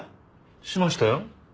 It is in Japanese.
しましたよ。